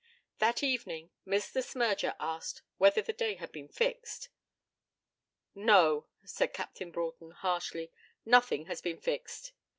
That evening, Miss Le Smyrger asked whether the day had been fixed. 'No,' said Captain Broughton harshly; 'nothing has been fixed.'